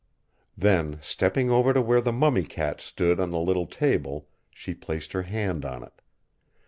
Then stepping over to where the mummy cat stood on the little table, she placed her hand on it.